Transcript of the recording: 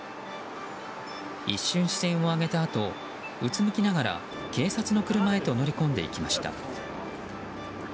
一瞬視線を上げたあとうつむきながら警察の車へと乗り込んでいきました。